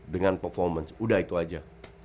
dengan performance udah itu aja